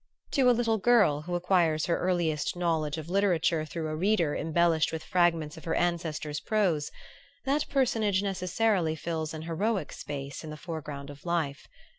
To a little girl who acquires her earliest knowledge of literature through a Reader embellished with fragments of her ancestor's prose, that personage necessarily fills an heroic space in the foreground of life.